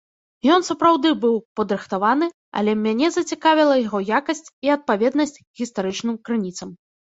Ён сапраўды быў падрыхтаваны, але мяне зацікавіла яго якасць і адпаведнасць гістарычным крыніцам.